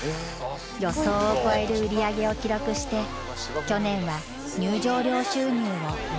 予想を超える売り上げを記録して去年は入場料収入を上回った。